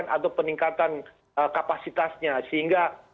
atau peningkatan kapasitasnya sehingga